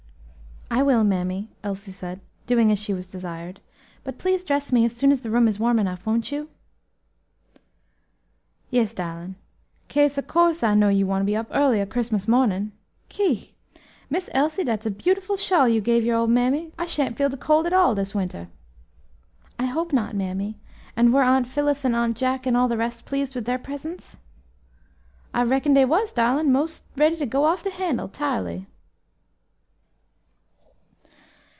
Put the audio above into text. "I will, mammy," Elsie said, doing as she was desired; "but please dress me as soon as the room is warm enough, won't you?" "Yes, darlin', kase ob course I knows you want to be up early o' Christmas mornin'. Ki! Miss Elsie, dat's a beautiful shawl you gave your ole mammy. I sha'n't feel de cold at all dis winter." "I hope not, mammy; and were Aunt Phillis, and Uncle Jack, and all the rest pleased with their presents?" "I reckon dey was, darlin', mos' ready to go off de handle, 'tirely."